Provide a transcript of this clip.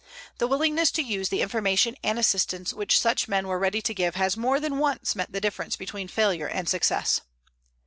The willingness to use the information and assistance which such men were ready to give has more than once meant the difference between failure and success.